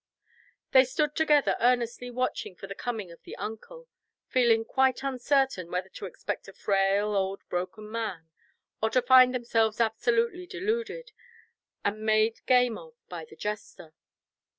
They stood together earnestly watching for the coming of the uncle, feeling quite uncertain whether to expect a frail old broken man, or to find themselves absolutely deluded, and made game of by the jester.